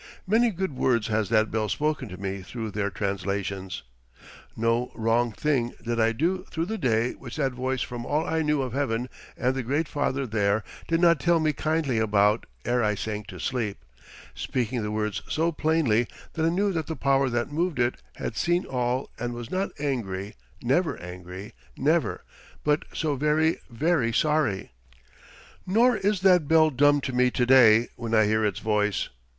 Many good words has that bell spoken to me through their translations. No wrong thing did I do through the day which that voice from all I knew of heaven and the great Father there did not tell me kindly about ere I sank to sleep, speaking the words so plainly that I knew that the power that moved it had seen all and was not angry, never angry, never, but so very, very sorry. Nor is that bell dumb to me to day when I hear its voice.